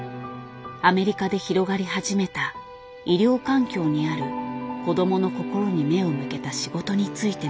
アメリカで広がり始めた医療環境にある子どもの心に目を向けた仕事についての本。